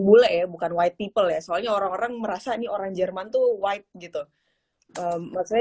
bule ya bukan white people ya soalnya orang orang merasa nih orang jerman tuh white gitu maksud saya